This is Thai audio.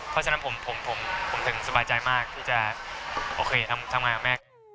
เพราะฉะนั้นผมถึงสบายใจมากที่จะโอเคทำงานกับแม่